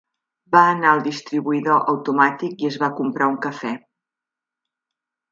Va anar al distribuïdor automàtic i es va comprar un cafè.